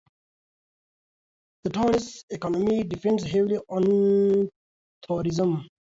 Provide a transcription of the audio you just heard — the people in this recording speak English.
The town's economy depends heavily on tourism.